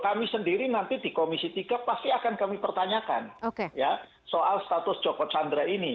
kami sendiri nanti di komisi tiga pasti akan kami pertanyakan soal status joko chandra ini